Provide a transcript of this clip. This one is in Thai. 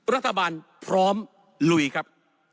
รัฐบาลพร้อมลุยครับ